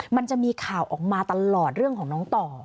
มันจะมีข่าวออกมาตลอดเรื่องของน้องต่อ